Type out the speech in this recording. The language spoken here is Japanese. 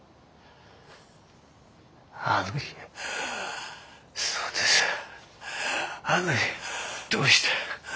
あの日そうですあの日どうして。